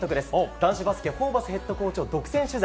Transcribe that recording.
男子バスケホーバスヘッドコーチを独占取材。